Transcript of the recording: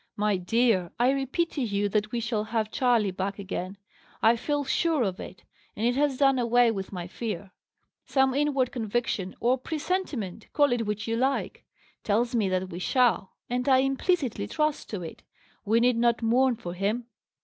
My dear, I repeat to you that we shall have Charley back again. I feel sure of it; and it has done away with my fear. Some inward conviction, or presentiment call it which you like tells me that we shall; and I implicitly trust to it. We need not mourn for him."